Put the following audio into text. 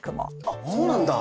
あっそうなんだ。